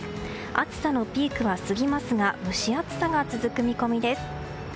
暑さのピークは過ぎますが蒸し暑さが続く見込みです。